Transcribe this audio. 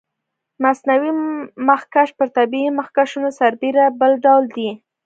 مصنوعي مخکش پر طبیعي مخکشونو سربېره بل ډول دی.